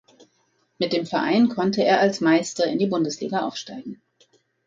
Mit dem Verein konnte er als Meister in die Bundesliga aufsteigen.